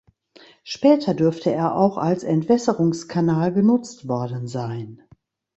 Später dürfte er auch als Entwässerungskanal genutzt worden sein.